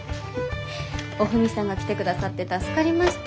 おフミさんが来てくださって助かりました。